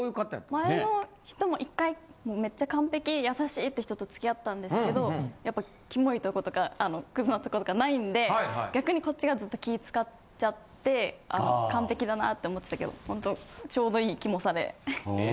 前の人も一回めっちゃ完璧優しい！って人と付き合ったんですけどやっぱりキモいとことかクズなとことか無いんで逆にこっちがずっと気を使っちゃって完璧だなと思ってたけどホントちょうどいいキモさで。ねぇ。